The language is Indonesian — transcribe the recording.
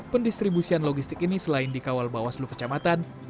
pendistribusian logistik ini selain dikawal bawah seluruh kecamatan